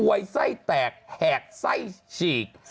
วยไส้แตกแหกไส้ฉีก